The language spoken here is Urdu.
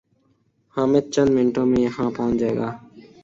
حامد چند منٹوں میں یہاں پہنچ جائے گا